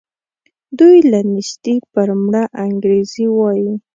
دوی له نېستي پر مړه انګرېږي وايي.